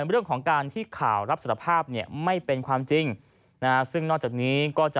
เรื่องของการที่ข่าวรับสารภาพเนี่ยไม่เป็นความจริงซึ่งนอกจากนี้ก็จะ